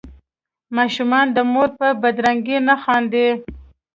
ماشومان د مور په بدرنګۍ نه خاندي.